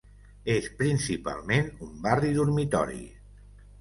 És principalment un barri dormitori.